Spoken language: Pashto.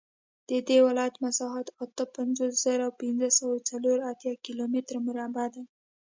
د دې ولایت مساحت اته پنځوس زره پنځه سوه څلور اتیا کیلومتره مربع دی